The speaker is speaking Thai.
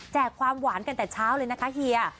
ความหวานกันแต่เช้าเลยนะคะเฮีย